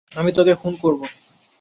আমি তোকে খুন করবো।